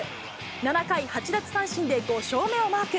７回、８奪三振で５勝目をマーク。